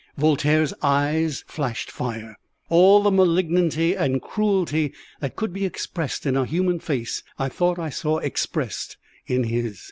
Voltaire's eyes flashed fire. All the malignity and cruelty that could be expressed in a human face I thought I saw expressed in his.